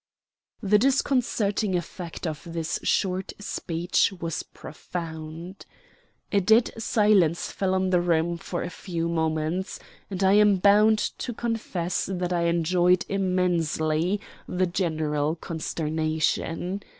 The disconcerting effect of this short speech was profound. A dead silence fell on the room for a few moments, and I am bound to confess that I enjoyed immensely the general consternation.